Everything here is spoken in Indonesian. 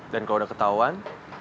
dan kalau udah ketahuan